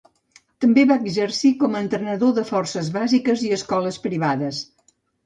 També va exercir com a entrenador de forces bàsiques i escoles privades.